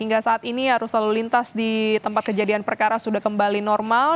hingga saat ini arus lalu lintas di tempat kejadian perkara sudah kembali normal